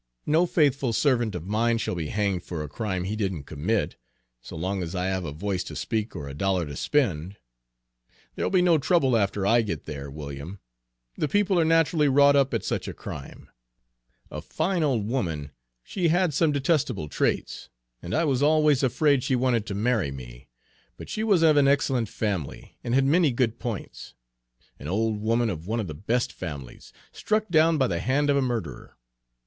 No faithful servant of mine shall be hanged for a crime he didn't commit, so long as I have a voice to speak or a dollar to spend. There'll be no trouble after I get there, William. The people are naturally wrought up at such a crime. A fine old woman, she had some detestable traits, and I was always afraid she wanted to marry me, but she was of an excellent family and had many good points, an old woman of one of the best families, struck down by the hand of a murderer!